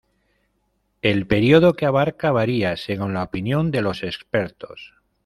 El periodo que abarca varía según la opinión de los expertos.